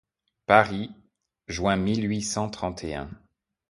Paris, juin mille huit cent trente et un.